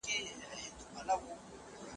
آیا دا ستونزه د حل وړ ده؟